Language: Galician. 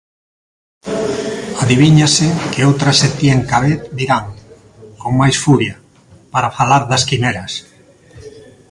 Adivíñase que outras Etienne Cabet virán, con máis furia, para falar das quimeras.